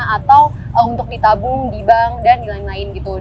atau untuk ditabung di bank dan lain lain gitu